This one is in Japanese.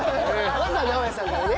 まずは直也さんからね。